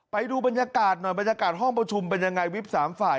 ไปดูบรรยากาศหน่อยบรรยากาศห้องประชุมเป็นยังไงวิบสามฝ่าย